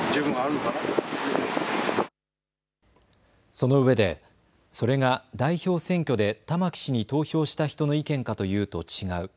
そのうえでそれが代表選挙で玉木氏に投票した人の意見かというと違う。